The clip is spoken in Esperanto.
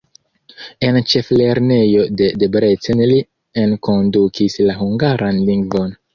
En ĉeflernejo de Debrecen li enkondukis la hungaran lingvon.